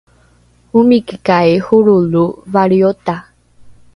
omikikai holrolo valriota?